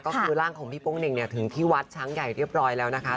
ก็คือร่างของพี่โป๊งเหน่งเนี่ยถึงที่วัดช้างใหญ่เรียบร้อยแล้วนะคะ